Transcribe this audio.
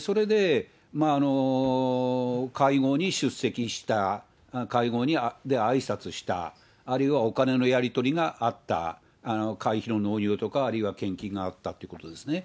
それで会合に出席した、会合であいさつした、あるいはお金のやり取りがあった、会費の納入とかあるいは献金があったということですね。